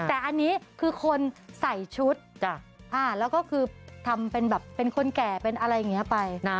แต่อันนี้คือคนใส่ชุดแล้วก็คือทำเป็นแบบเป็นคนแก่เป็นอะไรอย่างนี้ไปนะ